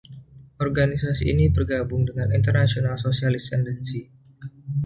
Organisasi ini bergabung dengan International Socialist Tendency.